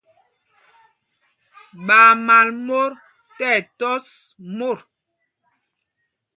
Ɓaa mal mot tí ɛsu ɛ tɔs mot.